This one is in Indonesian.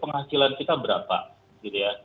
penghasilan kita berapa gitu ya